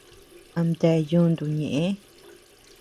Amtea yuntu ñeʼë.